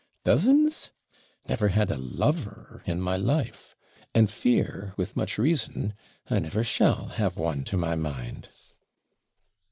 Dozens! never had a lover in my life! And fear, with much reason, I never shall have one to my mind.'